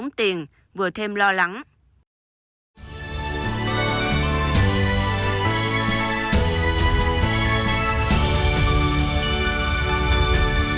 người bệnh vừa tốn tiền vừa thêm lo lắng